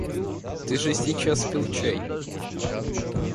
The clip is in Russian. — Ты же сейчас пил чай.